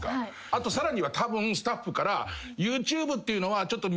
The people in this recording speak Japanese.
あとさらにはたぶんスタッフからＹｏｕＴｕｂｅっていうのはちょっと。